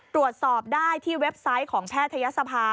ตรวจสอบได้ที่เว็บไซต์ของแพทยศภา